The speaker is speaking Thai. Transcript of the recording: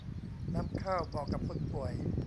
น้ำข้าว เหมาะกับคนป่วย